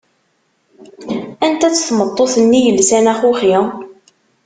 Anta-tt tmeṭṭut-nni yelsan axuxi?